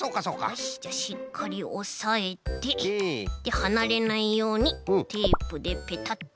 よしじゃしっかりおさえてではなれないようにテープでペタッとして。